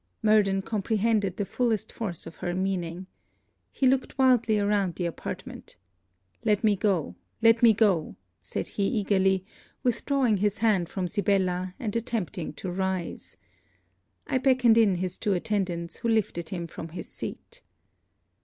Murden comprehended the fullest force of her meaning. He looked wildly around the apartment. 'Let me go, let me go,' said he eagerly, withdrawing his hand from Sibella and attempting to rise. I beckoned in his two attendants, who lifted him from his seat.